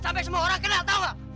sampai semua orang kenal tahu nggak